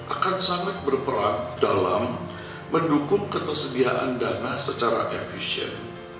akan sangat berperan dalam mendukung ketersediaan dana secara efisien